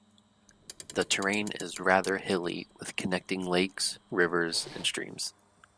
The terrain is rather hilly, with connecting lakes, rivers and streams.